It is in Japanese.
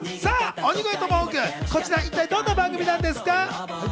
鬼越トマホーク、こちら一体どんな番組なんですか？